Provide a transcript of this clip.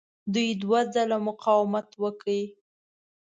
دوی دوه ځله مقاومت وکړ.